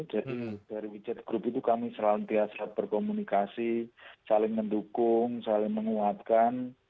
jadi dari widget group itu kami selalu berkomunikasi saling mendukung saling menguatkan